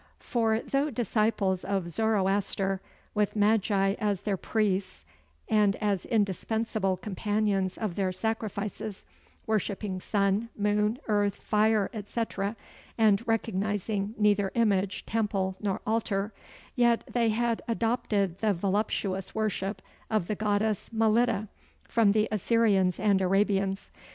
For though disciples of Zoroaster, with Magi as their priests and as indispensable companions of their sacrifices, worshipping sun, moon, earth, fire, etc., and recognizing neither image, temple, nor altar yet they had adopted the voluptuous worship of the goddess Mylitta from the Assyrians and Arabians.